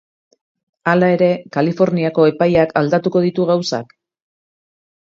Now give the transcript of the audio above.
Hala ere, Kaliforniako epaiak aldatuko ditu gauzak?